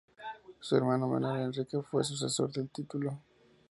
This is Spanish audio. Su hermano menor, Enrique fue su sucesor en el título.